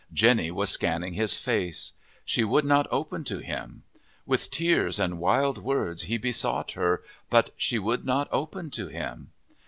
Jenny was scanning his face. She would not open to him. With tears and wild words he besought her, but she would not open to him.